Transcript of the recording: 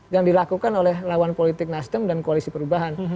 yang dilakukan oleh lawan politik nasdem dan koalisi perubahan